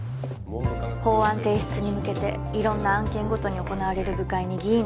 法案提出に向けていろんな案件ごとに行なわれる部会に議員の代理で参加したり。